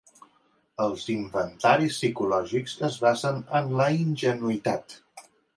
Els inventaris psicològics es basen en la ingenuïtat.